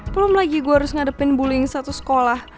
belum lagi gue harus ngadepin bullying satu sekolah